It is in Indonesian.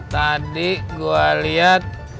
tadi gua lihat